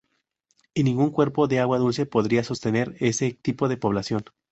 Y ningún cuerpo de agua dulce podría sostener ese tipo de población.